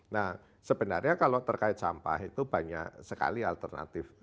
nah sebenarnya kalau terkait sampah itu banyak sekali alternatif